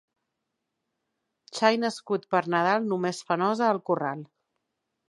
Xai nascut per Nadal només fa nosa al corral.